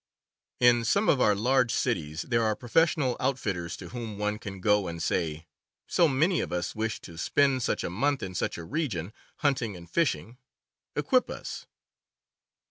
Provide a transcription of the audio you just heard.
IN some of our large cities there are professional out fitters to whom one can go and say: "So many of us wish to spend such a month in such a region, hunt ing and fishing: equip us."